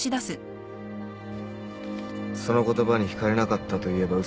その言葉にひかれなかったといえば嘘になる。